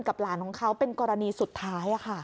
หลานของเขาเป็นกรณีสุดท้าย